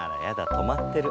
止まってる。